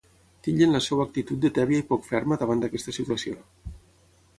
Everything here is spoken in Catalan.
Titllen la seva actitud de ‘tèbia i poc ferma’ davant d’aquesta situació.